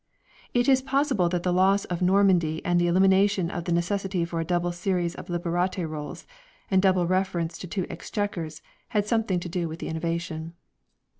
It is possible that the loss of Normandy and the elimina tion of the necessity for a double series of Liberate Rolls, and double reference to two Exchequers, had something to do with the innovation.